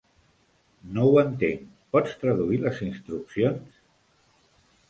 No ho entenc. Pots traduir les instruccions?